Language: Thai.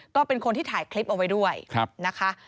ก็เป็นคนที่ถ่ายคลิปเอาไว้ด้วยนะคะ